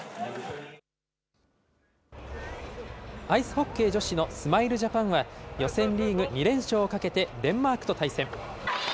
アイスホッケー女子のスマイルジャパンは、予選リーグ２連勝をかけて、デンマークと対戦。